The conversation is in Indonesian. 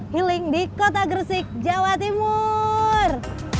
healing di kota gresik jawa timur